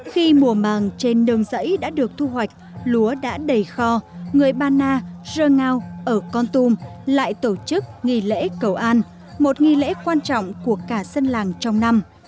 khi mùa màng trên đường dãy đã được thu hoạch lúa đã đầy kho người ba na dơ ngao ở con tum lại tổ chức nghi lễ cầu an một nghi lễ quan trọng của cả dân làng trong năm